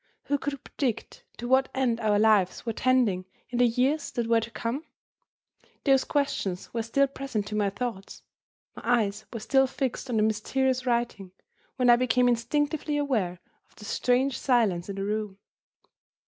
Who could predict to what end our lives were tending in the years that were to come? Those questions were still present to my thoughts; my eyes were still fixed on the mysterious writing when I became instinctively aware of the strange silence in the room.